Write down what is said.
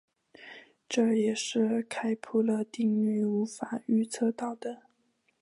这也是开普勒定律无法预测到的。